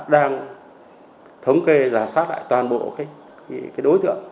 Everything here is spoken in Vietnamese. đang thống kê giả soát lại toàn bộ đối tượng